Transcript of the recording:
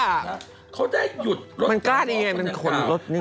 มันกล้าดอย่างไรเป็นขนรถนึง